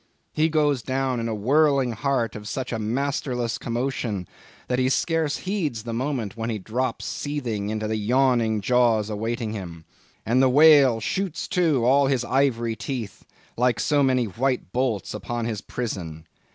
He goes down in the whirling heart of such a masterless commotion that he scarce heeds the moment when he drops seething into the yawning jaws awaiting him; and the whale shoots to all his ivory teeth, like so many white bolts, upon his prison.